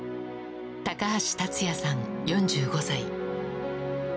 高橋竜也さん、４５歳。